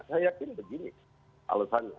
saya yakin begini alasannya